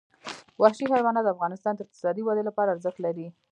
وحشي حیوانات د افغانستان د اقتصادي ودې لپاره ارزښت لري.